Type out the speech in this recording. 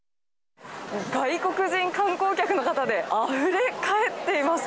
外国人観光客の方で、あふれかえっています。